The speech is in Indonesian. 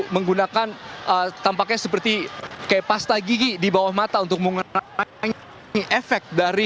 menggunakan tampaknya seperti kayak pasta gigi di bawah mata untuk mengurangi efek dari